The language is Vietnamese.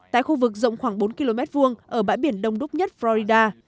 tại khu vực rộng khoảng bốn km hai ở bãi biển đông đúc nhất florida